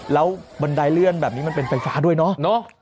แล้วบันไดเลื่อนแบบนี้มันเป็นไฟฟ้าด้วยเนาะ